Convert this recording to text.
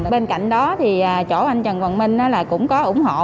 bên cạnh đó thì chỗ anh trần quang minh là cũng có ủng hộ